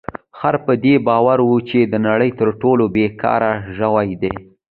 خر په دې باور و چې د نړۍ تر ټولو بې کاره ژوی دی.